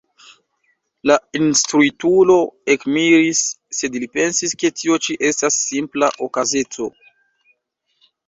La instruitulo ekmiris, sed li pensis, ke tio ĉi estas simpla okazeco.